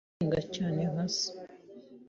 Nkana yabyirutse akunda guhiga cyane nka Se